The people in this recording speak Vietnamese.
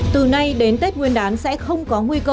từ nay đến tết nguyên đán sẽ không có nguyên đán